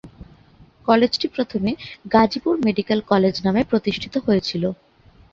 কলেজটি প্রথমে "Gazipur medical college" নামে প্রতিষ্ঠিত হয়েছিল।